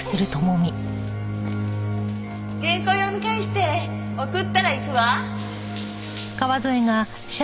原稿を読み返して送ったら行くわ。